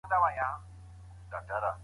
سفر د انسان پوهه او تجربه زیاتوي.